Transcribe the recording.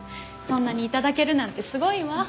そんなに頂けるなんてすごいわ。